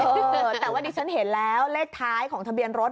แต่ว่าดิฉันเห็นแล้วเลขท้ายของทะเบียนรถ